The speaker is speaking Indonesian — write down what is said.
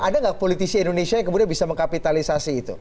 ada nggak politisi indonesia yang kemudian bisa mengkapitalisasi itu